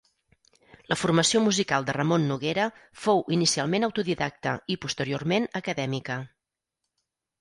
La formació musical de Ramon Noguera fou inicialment autodidacta i posteriorment acadèmica.